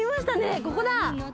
ここだ。